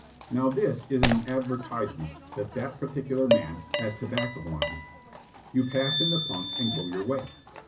Now this is an advertisement that that particular man has tobacco on him. You pass in the punk and go your way.